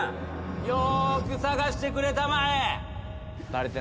よーく捜してくれたまえ。